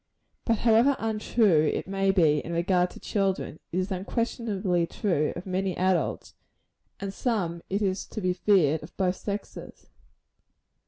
But however untrue it may be in regard to children, it is unquestionably true of many adults; and of some, it is to be feared, of both sexes.